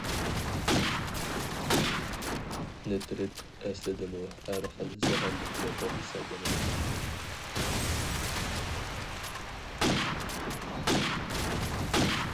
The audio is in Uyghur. نىترىت ئەسلىدىمۇ بىر خىل زەھەرلىك ماددا ھېسابلىنىدۇ.